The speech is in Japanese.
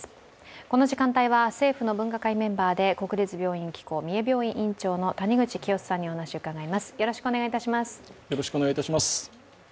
この時間帯は、政府の分科会メンバーで国立病院機構三重病院院長の谷口清州さんにお話を伺います。